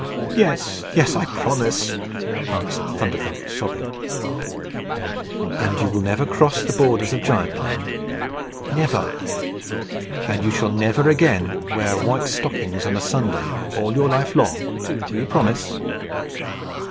"Yes, yes! I promise," answered Thunderthump, sobbing. "And you will never cross the borders of Giantland?" "Never." "And you shall never again wear white stockings on a Sunday, all your life long. Do you promise?"